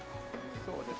そうですね。